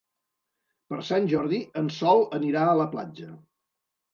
Per Sant Jordi en Sol anirà a la platja.